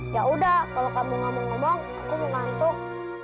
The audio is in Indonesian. ya udah kalau kamu ngomong ngomong aku mau ngantuk